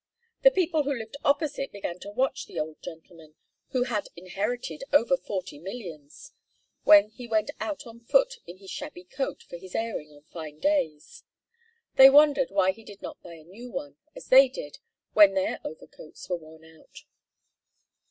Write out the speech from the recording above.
The people who lived opposite began to watch the old gentleman, who had inherited over forty millions, when he went out on foot in his shabby coat for his airing on fine days. They wondered why he did not buy a new one, as they did, when their overcoats were worn out.